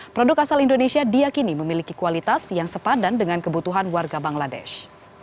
produk asal indonesia diakini memiliki kualitas yang sepadan dengan kebutuhan warga bangladesh